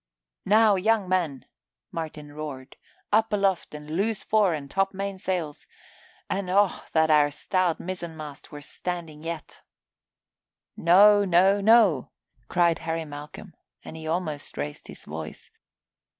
"Now, young men," Martin roared, "up aloft and loose fore and main topsails. And oh that our stout mizzenmast were standing yet!" "No, no, no!" cried Harry Malcolm and he almost raised his voice.